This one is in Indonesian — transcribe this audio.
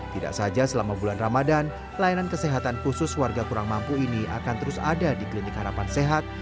tidak saja selama bulan ramadan layanan kesehatan khusus warga kurang mampu ini akan terus ada di klinik harapan sehat